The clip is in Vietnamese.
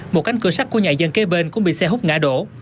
một cánh cửa sắt của nhà dân kế bên cũng bị xe hút ngã đổ